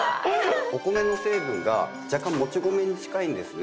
お米の成分が若干もち米に近いんですね。